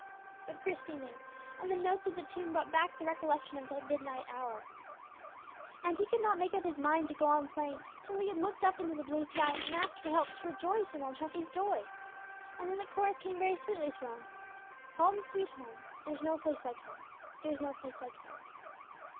But Christie knew, and the notes of the tune brought back the recollection of that midnight hour. And he could not make up his mind to go on playing till he had looked up into the blue sky and asked for help to rejoice in old Treffy's joy. And then the chorus came very sweetly to him, "Home, sweet home; there's no place like home; there's no place like home."